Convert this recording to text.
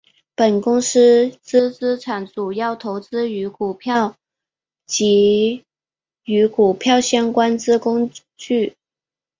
本公司之资产主要投资于股票及与股票相关之工具。